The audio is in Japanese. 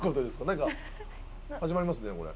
何か始まりますねこれ。